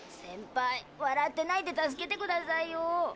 センパイ笑ってないで助けてくださいよ。